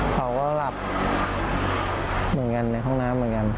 เขาก็หลับเหมือนกันในห้องน้ำเหมือนกัน